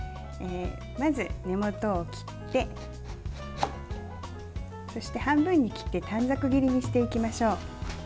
まず根元を切ってそして半分に切って短冊切りにしていきましょう。